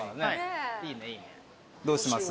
どうします？